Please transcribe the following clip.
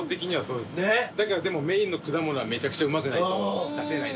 だからメインの果物はめちゃくちゃうまくないと出せない。